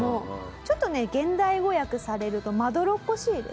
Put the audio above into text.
ちょっとね現代語訳されるとまどろっこしいですよね。